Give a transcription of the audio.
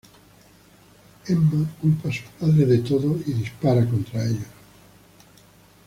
Emma culpa a sus padres de todo, y dispara contra ellos.